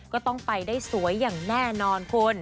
ก็ต้องไปได้สวยอย่างแน่นอนคุณ